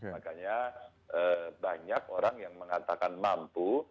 makanya banyak orang yang mengatakan mampu